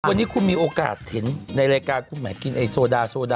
วันนี้คุณมีโอกาสเห็นในรายการกินไอ้โซดา